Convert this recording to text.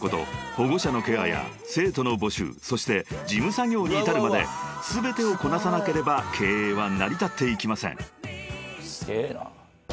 保護者のケアや生徒の募集そして事務作業に至るまで全てをこなさなければ経営は成り立っていきません］